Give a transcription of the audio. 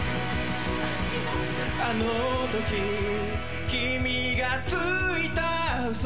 あの時君がついた嘘